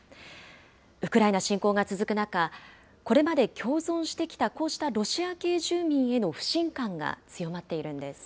ウクライナ侵攻が続く中、これまで共存してきた、こうしたロシア系住民への不信感が強まっているんです。